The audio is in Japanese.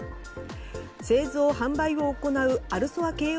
製造販売を行うアルソア慧央